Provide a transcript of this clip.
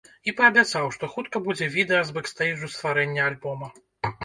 І паабяцаў, што хутка будзе відэа з бэкстэйджу стварэння альбома.